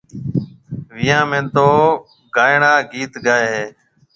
وِيهان ۾ تو گائڻا گِيت گائي هيَ۔